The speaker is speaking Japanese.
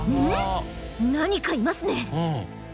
何かいますね。